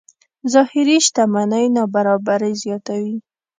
ظاهري شتمنۍ نابرابرۍ زیاتوي.